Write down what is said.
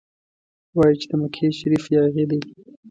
وايي چې د مکې شریف یاغي دی.